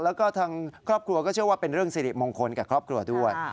แล้วก็ทางครอบครัวก็เชื่อว่าเป็นเรื่องสิริมงคลแก่ครอบครัวด้วย